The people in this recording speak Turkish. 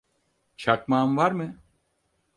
Çakmağın var mı?